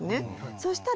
そしたら。